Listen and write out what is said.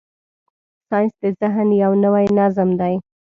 ساینس د ذهن یو نوی نظم دی.